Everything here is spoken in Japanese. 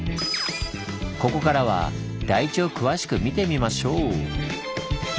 ここからは台地を詳しく見てみましょう！